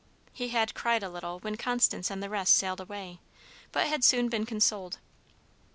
He had cried a little when Constance and the rest sailed away, but had soon been consoled.